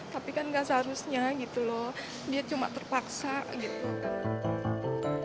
tapi kan nggak seharusnya gitu loh dia cuma terpaksa gitu kan